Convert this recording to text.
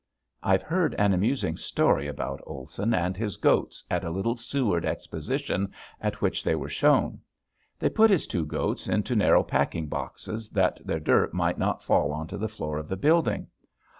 I've heard an amusing story about Olson and his goats at a little Seward exposition at which they were shown. They put his two goats into narrow packing boxes that their dirt might not fall onto the floor of the building.